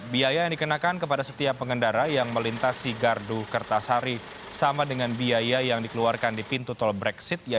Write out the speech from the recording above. biaya yang dikenakan kepada setiap pengendara yang melintasi gardu kertasari sama dengan biaya yang dikeluarkan di pintu tol brexit